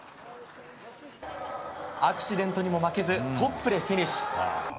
アクシデントにも負けずトップでフィニッシュ。